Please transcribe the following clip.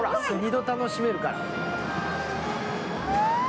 ２度楽しめるから。